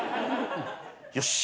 よし。